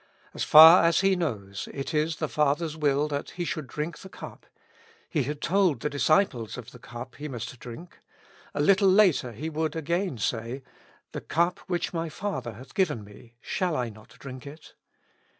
As far as He knows, it is the Father's will that He should drink the cup. He had told His disciples of the cup He must drink: a little later He would again say, "The cup which my Father hath given me, shall I not drink it